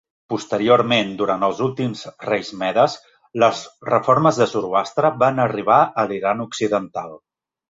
Posteriorment, durant els últims reis medes, les reformes de Zoroastre van arribar a l'Iran occidental.